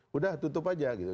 sudah tutup saja gitu